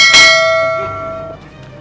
saya akan menang